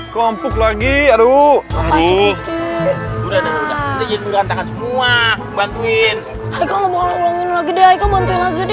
kompuk lagi aduh